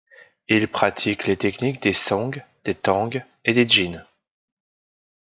Il pratique les techniques des Song, des Tang et des Jin.